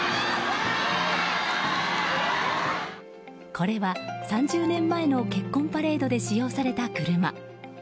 これは３０年前の結婚パレードで使用された車。